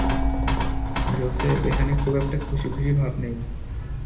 Joseph, এখানে খুব একটা খুশিখুশি ভাব নেই।